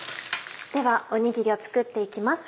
ではおにぎりを作って行きます。